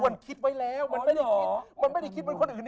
มันคิดไว้แล้วมันไม่ได้คิดเป็นคนอื่น